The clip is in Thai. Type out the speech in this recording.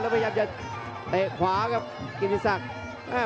พยายามจะเตะขวาครับกิติศักดิ์